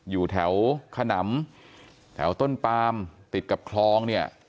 อยู่แถวขนำแถวต้นปามติดกับคลองเนี่ย